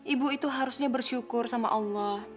ibu itu harusnya bersyukur sama allah